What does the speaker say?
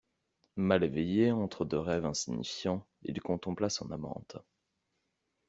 Mal éveillé, entre deux rêves insignifiants, il contempla son amante.